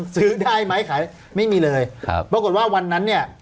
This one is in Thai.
ซื้อได้ไหมขายไม่มีเลยครับปรากฏว่าวันนั้นเนี่ย